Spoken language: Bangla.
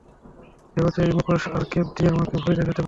ভেবেছ এই মুখোশ আর কেপ দিয়ে আমাকে ভয় দেখাতে পারবে?